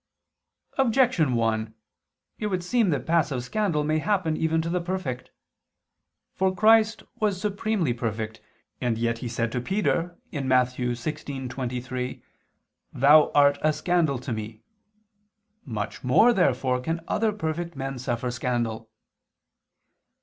Objection 1: It would seem that passive scandal may happen even to the perfect. For Christ was supremely perfect: and yet He said to Peter (Matt. 16:23): "Thou art a scandal to Me." Much more therefore can other perfect men suffer scandal.